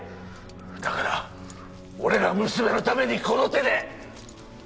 だから俺が娘のためにこの手で！